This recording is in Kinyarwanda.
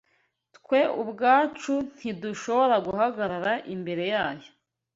Twe ubwacu ntidushobora guhagarara imbere yayo